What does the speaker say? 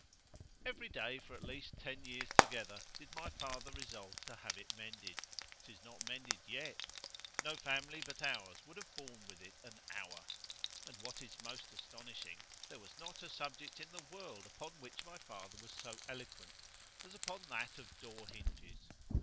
XIV EVERY day for at least ten years together did my father resolve to have it mended—'tis not mended yet;—no family but ours would have borne with it an hour——and what is most astonishing, there was not a subject in the world upon which my father was so eloquent, as upon that of door hinges.